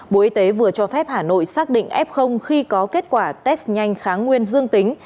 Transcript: bộ y tế vừa cho phép hà nội xác định f khi có kết quả test nhanh kháng nguyên dương tính